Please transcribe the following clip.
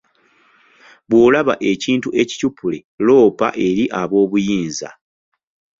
Bw'olaba ekintu ekicupule, loopa eri aboobuyinza.